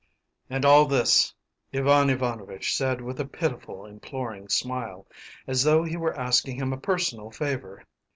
” And all this Ivan Ivanovitch said with a pitiful, imploring smile, as though he were asking him a personal favour.